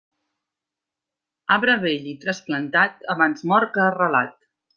Arbre vell i trasplantat, abans mort que arrelat.